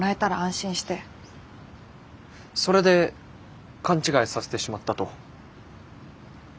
それで勘違いさせてしまったと。